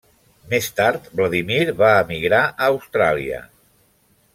Més tard, Vladímir va emigrar a Austràlia.